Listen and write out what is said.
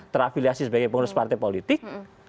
terafiliasi sebagai pengurus partai politik